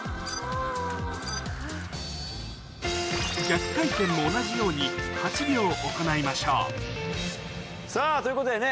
あっ。も同じように８秒行いましょうさぁということでね